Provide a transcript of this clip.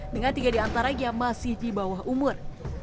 dengan tiga diantara yang masih di bawah umur